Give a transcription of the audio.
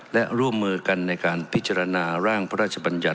และร่วมมือกันในการพิจารณาร่างพระราชบัญญัติ